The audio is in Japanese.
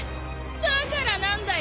だから何だよ。